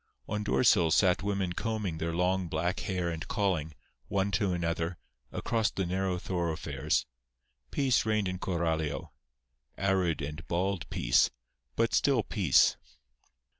On doorsills sat women combing their long, black hair and calling, one to another, across the narrow thoroughfares. Peace reigned in Coralio—arid and bald peace; but still peace.